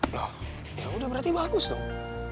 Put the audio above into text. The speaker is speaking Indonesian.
loh yaudah berarti bagus dong